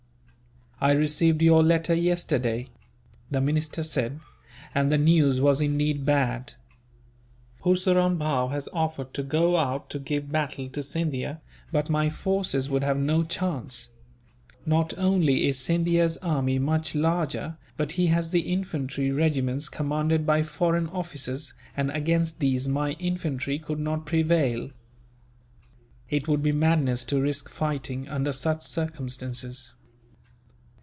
"I received your letter yesterday," the minister said, "and the news was indeed bad. Purseram Bhow has offered to go out to give battle to Scindia, but my forces would have no chance: not only is Scindia's army much larger, but he has the infantry regiments commanded by foreign officers, and against these my infantry could not prevail. It would be madness to risk fighting, under such circumstances.